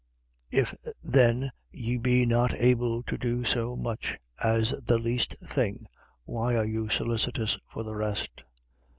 12:26. If then ye be not able to do so much as the least thing, why are you solicitous for the rest?